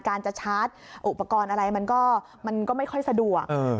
การจะชาร์จอุปกรณ์อะไรมันก็ไม่ค่อยสะดวก